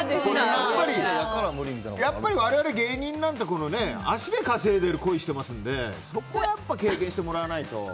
やっぱり我々芸人なんて足で稼いで恋していますのでそこを経験してもらわないと。